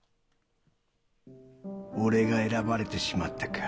「俺が選ばれてしまったか」